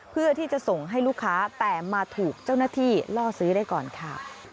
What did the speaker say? เพื่อที่จะส่งให้ลูกค้าแต่มาถูกเจ้าหน้าที่ล่อซื้อได้ก่อนค่ะ